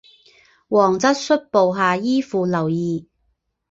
王质率部下依附留异。